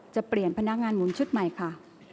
จะเปลี่ยนพนักงานหมุนชุดใหม่ค่ะ